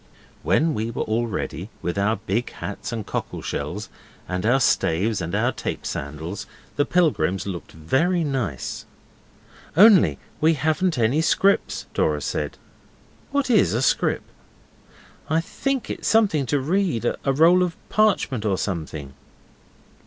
When we were all ready, with our big hats and cockle shells, and our staves and our tape sandals, the pilgrims looked very nice. 'Only we haven't any scrips,' Dora said. 'What is a scrip?' 'I think it's something to read. A roll of parchment or something.